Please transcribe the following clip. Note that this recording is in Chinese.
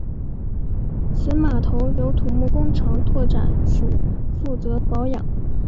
此码头由土木工程拓展署负责保养。